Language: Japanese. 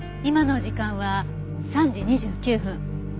今の時間は３時２９分。